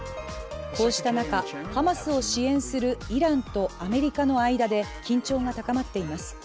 こうした中、ハマスを支援するイランとアメリカの間で緊張が高まっています。